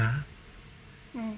うん。